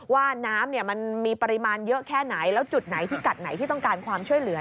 ว่าน้ำมันมีปริมาณเยอะแค่ไหนแล้วจุดไหนพิกัดไหนที่ต้องการความช่วยเหลือ